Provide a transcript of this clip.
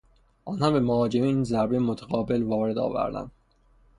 آنها به مهاجمین ضربهی متقابل وارد آوردند.